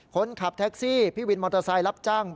คนขับแท็กซี่พี่วินมอเตอร์ไซค์รับจ้าง